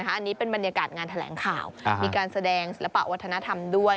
อันนี้เป็นบรรยากาศงานแถลงข่าวมีการแสดงศิลปะวัฒนธรรมด้วย